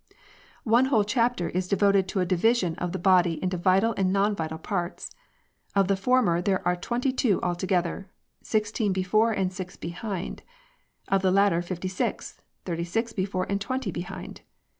• One whole chapter is devoted to a division of the body into vital and non vital parts. Of the former there are twenty two altogether, sixteen before and six behind ; of the latter fifty six, thirty six before and twenty behind.